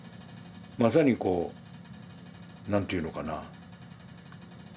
まさにこう何ていうのかな？